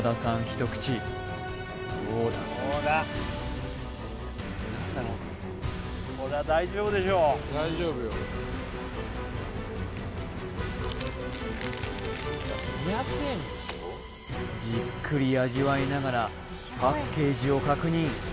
一口どうだじっくり味わいながらパッケージを確認